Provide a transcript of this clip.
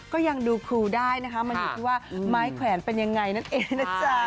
ก็ยังดูครูได้นะคะมันอยู่ที่ว่าไม้แขวนเป็นยังไงนั่นเองนะจ๊ะ